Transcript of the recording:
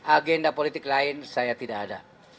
agenda politik lain saya tidak ada